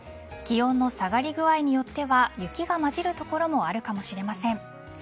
気温の下がり具合によっては雪がまじる所もあるかもしれません。